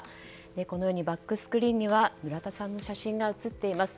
このようにバックスクリーンには村田さんの写真が映っています。